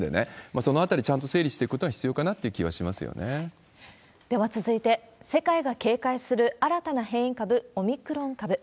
そのあたりちゃんと整理していくことは必要かなって気はしますよでは続いて、世界が警戒する新たな変異株、オミクロン株。